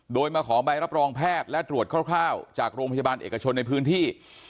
โดยมาขอใบรับรองแพทย์และตรวจคร่าวจากโรงพยาบาลเอกชนในพื้นที่